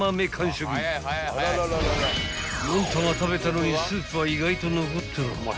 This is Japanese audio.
［４玉食べたのにスープは意外と残ってらぁ］